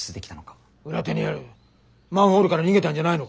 裏手にあるマンホールから逃げたんじゃないのか？